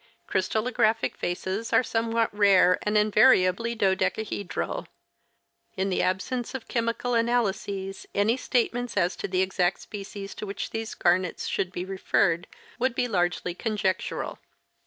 OrystallograxDhic faces are somewhat rare and invariably dodecahedral (110, i). In the abseiice of chemical analyses, any statements as to the exact species to which these garnets should be referred would be largely conjectural.